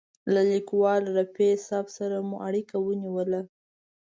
له لیکوال رفیع صاحب سره مو اړیکه ونیوله.